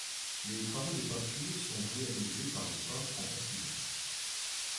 Les travaux de peinture sont réalisés par le peintre en bâtiment.